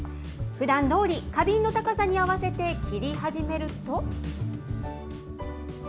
ふだんどおり、花瓶の高さに合わせて切り始めると。